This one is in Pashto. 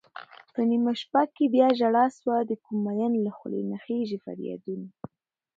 په نېمه شپه کې بياژړا سوه دکوم مين له خولې نه خيژي فريادونه